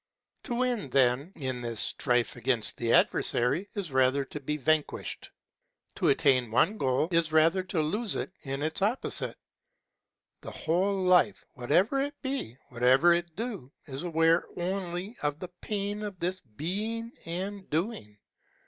To win, then, in this strife against the adversary, is rather to be vanquished. To attain one goal, is rather to lose it in its opposite. The whole life, whatever it be, whatever it do, is aware only of the pain of this being and doing.